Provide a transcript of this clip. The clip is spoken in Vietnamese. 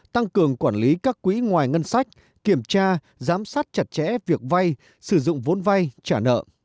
tăng cường quản lý các quỹ ngoài ngân sách kiểm tra giám sát chặt chẽ việc vay sử dụng vốn vay trả nợ